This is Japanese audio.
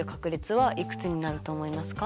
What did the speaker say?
はい。